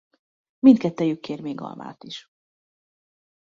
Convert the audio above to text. Mindkettejük kér még almát is.